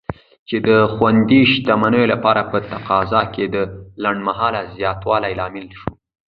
چې د خوندي شتمنیو لپاره په تقاضا کې د لنډمهاله زیاتوالي لامل شو.